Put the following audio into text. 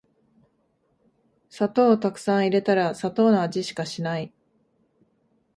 砂糖をたくさん入れたら砂糖の味しかしない